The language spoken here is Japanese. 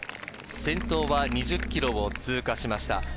先頭は２０ｋｍを通過しました。